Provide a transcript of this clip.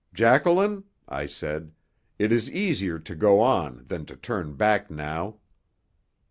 "Jacqueline," I said, "it is easier to go on than to turn back now."